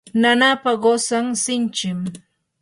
nanaapa qusan sinchim.